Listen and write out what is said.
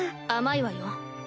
甘いわよ。